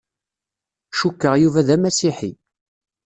Cukkeɣ Yuba d Amasiḥi.